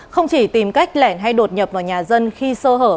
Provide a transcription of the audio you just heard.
không chỉ tìm cách lẻn hay đột nhập vào nhà dân khi sơ hở